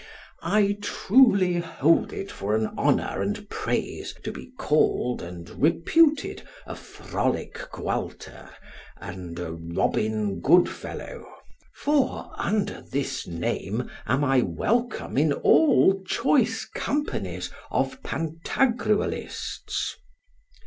I truly hold it for an honour and praise to be called and reputed a Frolic Gualter and a Robin Goodfellow; for under this name am I welcome in all choice companies of Pantagruelists.